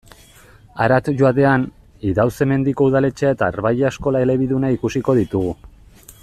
Harat joatean, Idauze-Mendiko udaletxea eta Arbailla eskola elebiduna ikusiko ditugu.